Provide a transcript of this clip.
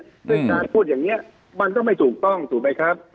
ซึ่งการพูดอย่างนี้มันก็ไม่ถูกต้องถูกไหมครับ